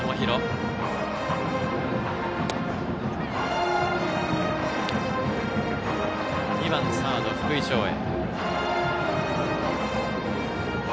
続いて２番サード、福井翔英。